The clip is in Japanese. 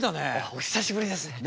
お久しぶりです。